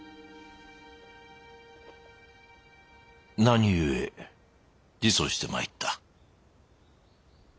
何故自訴してまいった？